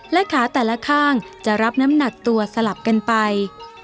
และขาแต่ละข้างจะรับน้ำหนักตัวสลับกันไป